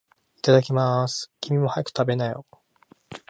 いただきまーす。君も、早く食べなよ。